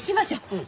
うん。